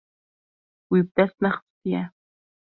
Wî bi dest nexistiye.